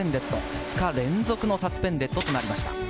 ２日連続のサスペンデッドとなりました。